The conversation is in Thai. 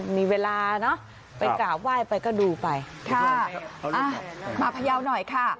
มีเวลาเนอะไปกราบไหว้ไปก็ดูไปค่ะมาพยาวหน่อยค่ะ